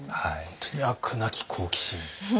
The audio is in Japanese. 本当に飽くなき好奇心。